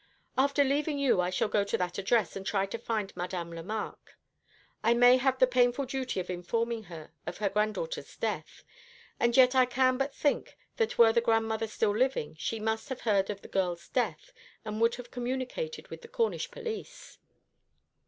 After leaving you I shall go to that address, and try to find Madame Lemarque. I may have the painful duty of informing her of her granddaughter's death; and yet I can but think that were the grandmother still living she must have heard of the girl's death, and would have communicated with the Cornish police."